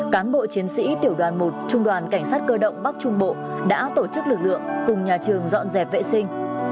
cán bộ chiến sĩ tiểu đoàn một trung đoàn cảnh sát cơ động bắc trung bộ đã tổ chức lực lượng cùng nhà trường dọn dẹp vệ sinh